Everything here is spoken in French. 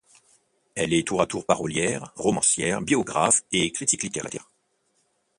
Elle est tour à tour parolière, romancière, biographe et critique littéraire.